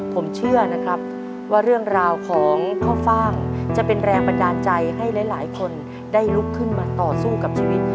ผมเชื่อนะครับว่าเรื่องราวของข้าวฟ่างจะเป็นแรงบันดาลใจให้หลายคนได้ลุกขึ้นมาต่อสู้กับชีวิต